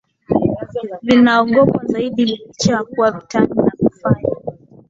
vinaogopwa zaidi Licha ya kuwa vitani na kufanya